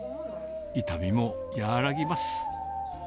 痛みも和らぎます。